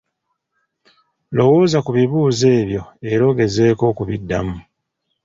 Lowooza ku bibuuzo ebyo era ogezeeko okubiddamu.